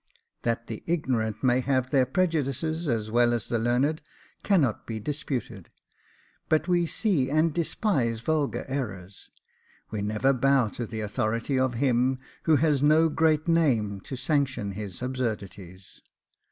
That the ignorant may have their prejudices as well as the learned cannot be disputed; but we see and despise vulgar errors: we never bow to the authority of him who has no great name to sanction his absurdities.